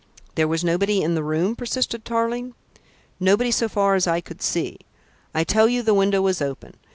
"There was nobody in the room?" persisted Tarling. "Nobody so far as I could see. I tell you the window was open.